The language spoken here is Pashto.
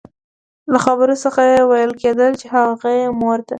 له خبرو څخه يې ويل کېدل چې هغې مور ده.